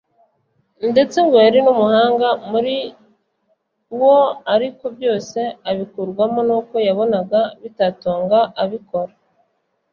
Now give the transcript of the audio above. ndetse ngo yari n’umuhanga mu riwo ariko byose abikurwamo n’uko yabonaga bitatunga ubikora